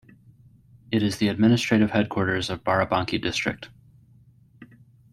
It is the administrative headquarters of Barabanki District.